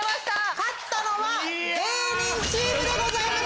勝ったのは芸人チームでございます！